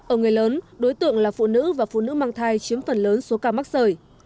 ở người lớn đối tượng là phụ nữ và phụ nữ mang thai chiếm phần lớn số ca mắc sởi